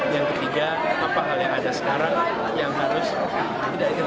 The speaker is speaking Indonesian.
yang ketiga apa hal yang ada sekarang yang harus tidak diketahui